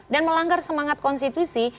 dan melanggar semangat konstitusi